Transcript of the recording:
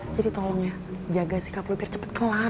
jadi tolong ya jaga sikap lo biar cepet kelar